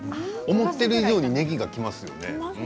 思っている以上にねぎがきますね。